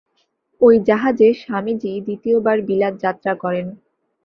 ঐ জাহাজে স্বামীজী দ্বিতীয়বার বিলাত যাত্রা করেন।